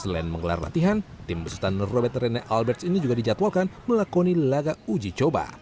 selain menggelar latihan tim besutan robert rene alberts ini juga dijadwalkan melakoni laga uji coba